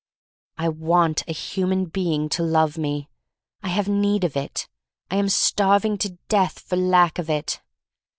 I want a human being to love me. I have need of it. . I am starving to death for lack of it.